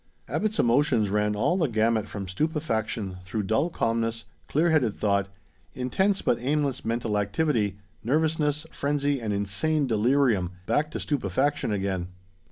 Abbot's emotions ran all the gamut from stupefaction, through dull calmness, clear headed thought, intense but aimless mental activity, nervousness, frenzy, and insane delirium, back to stupefaction again.